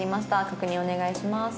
「確認お願いします」